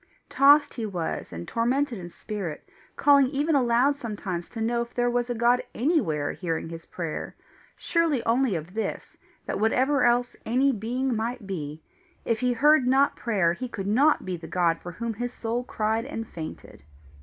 Tossed he was and tormented in spirit, calling even aloud sometimes to know if there was a God anywhere hearing his prayer, sure only of this, that whatever else any being might be, if he heard not prayer, he could not be the God for whom his soul cried and fainted.